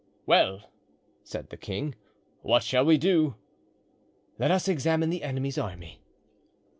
"Well!" said the king, "what shall we do?" "Let us examine the enemy's army."